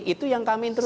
itu yang kami teruskan